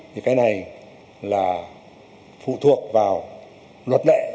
thì cái này là phụ thuộc vào luật lệ